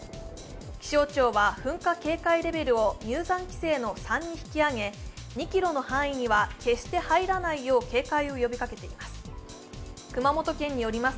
気象庁は噴火警戒レベルを入山規制の３に引き上げ２ｋｍの範囲には決して入らないよう警戒を呼びかけています。